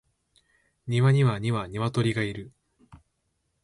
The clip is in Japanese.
庭には二羽鶏がいる